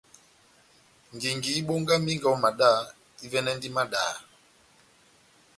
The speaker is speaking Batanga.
Ngingi ibongamingɛ ó madá, ivɛ́nɛndini madaha.